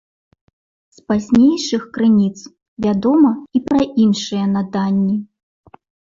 З пазнейшых крыніц вядома і пра іншыя наданні.